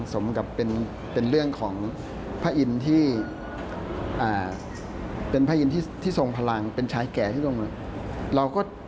สมกับเป็นเรื่องของพระอินทร์ที่ทรงพลังเป็นชายแก่ที่ตรงนั้น